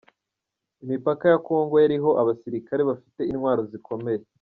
Imipaka ya kongo yariho abasirikare bafite intwaro zikomeye.